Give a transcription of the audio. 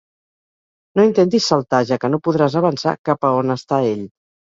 No intentis saltar, ja que no podràs avançar cap a on està ell.